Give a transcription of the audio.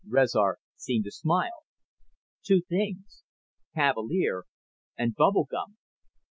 Rezar seemed to smile. "Two things. Cavalier and bubble gum."